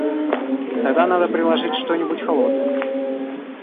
Тогда надо приложить что-нибудь холодное.